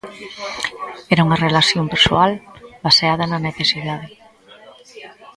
Era unha relación persoal baseada na necesidade.